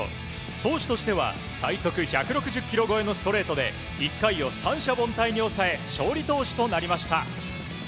投手としては最速１６０キロ超えのストレートで１回を三者凡退に抑え勝利投手になりました。